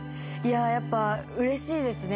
やっぱうれしいですね！